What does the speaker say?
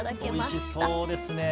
おいしそうですね。